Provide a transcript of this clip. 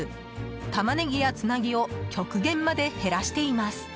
タマネギや、つなぎを極限まで減らしています。